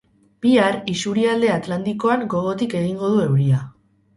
Bihar, isurialde atlantikoan gogotik egingo du euria.